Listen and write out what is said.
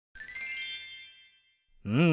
うん！